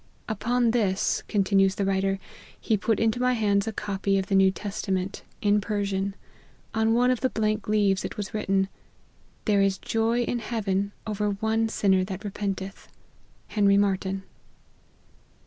" Upon this," continues the writer, " he put in to my hands a copy of the New Testament, in Persian ; on one of the blank leaves it was writ ten, There is joy in heaven over one sinner that repenteth. HENRY MARTYN."